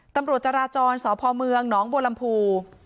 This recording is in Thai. ตำรวจจราจรสพเมืองหนองบัวลำพู